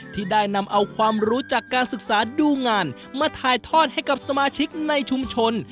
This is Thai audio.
ที่ได้นำเอาความรู้จากการศึกษาดูงานมาถ่ายทอดให้กับสมาชิกในชุมชน